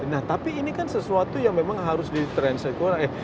nah tapi ini kan sesuatu yang memang harus ditransaksi oleh